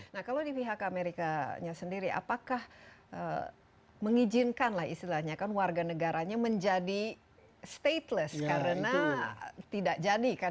nah kalau di pihak amerika nya sendiri apakah mengizinkan lah istilahnya kan warganegaranya menjadi stateless karena tidak jadi kan